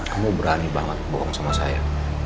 kamu berani banget bohong sama saya